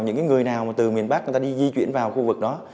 những cái người nào từ miền bắc người ta đi di chuyển vào khu vực đó